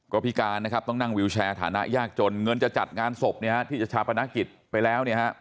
กรพิการต้องนั่งวิวแชร์ฐานะยากจนเงินจะจัดงานสบที่จัดชาปนกิจไปแล้ว